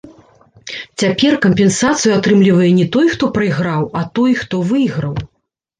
Цяпер кампенсацыю атрымлівае не той, хто прайграў, а той, хто выйграў.